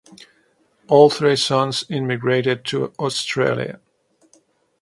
All three sons immigrated to Australia.